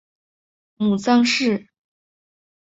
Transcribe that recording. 母臧氏。